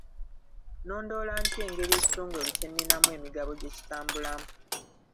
Nnondoola ntya engeri ekitongole kye nninamu emigabo gye kitambulamu?